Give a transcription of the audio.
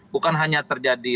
bukan hanya terjadi